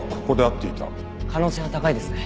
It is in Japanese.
可能性は高いですね。